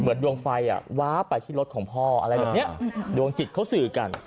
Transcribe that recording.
ดวงไฟว้าไปที่รถของพ่ออะไรแบบนี้ดวงจิตเขาสื่อกัน